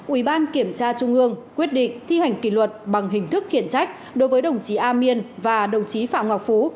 ủy ban kiểm tra trung ương quyết định thi hành kỷ luật bằng hình thức khiển trách đối với đồng chí a miên và đồng chí phạm ngọc phú